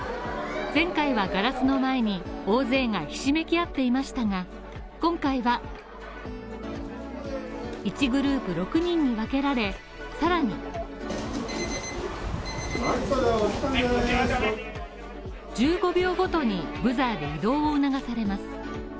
前回はガラスの前に大勢がひしめき合っていましたが、今回は１グループ６人に分けられ、さらに１５秒ごとにブザーで移動を促されます。